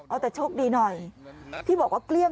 เอาแต่โชคดีหน่อย